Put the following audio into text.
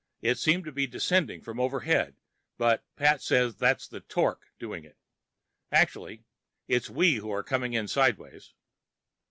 It seems to be descending from overhead, but Pat says that that's the "torque" doing it. Actually, it's we who are coming in sideways.